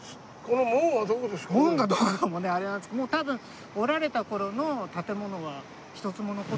もう多分おられた頃の建物は一つも残ってなくて。